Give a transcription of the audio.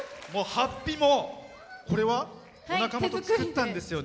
はっぴも、これはお仲間と作ったんですよね。